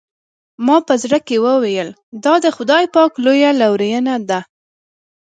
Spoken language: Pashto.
ما په زړه کې وویل دا د خدای پاک لویه لورېینه ده.